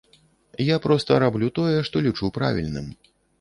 Я проста раблю тое, што лічу правільным.